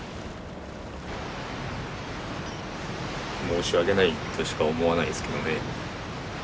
申し訳ないとしか思わないですけどね。